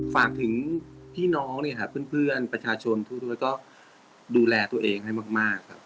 ฝากถึงพี่น้องเพื่อนประชาชนทุกก็ดูแลตัวเองให้มาก